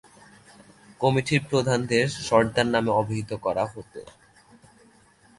কমিটির প্রধানদের সরদার নামে অবহিত করা হতো।